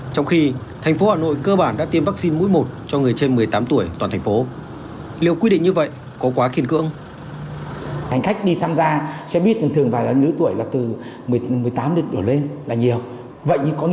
trong khi thành phố hà nội cơ bản đã tiêm vaccine mũi một cho người trên một mươi tám tuổi toàn thành phố